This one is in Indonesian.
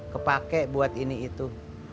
kepake buat ini itu